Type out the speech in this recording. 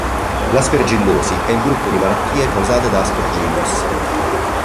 L'Aspergillosi è il gruppo di malattie causate da Aspergillus.